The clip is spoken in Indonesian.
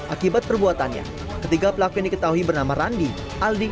akibat perbuatannya ketiga pelaku yang diketahui bernama randi aldi